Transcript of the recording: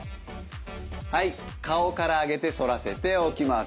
はい顔から上げて反らせて起きます。